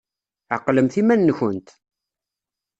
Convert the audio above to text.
Ɛqlemt iman-nkent!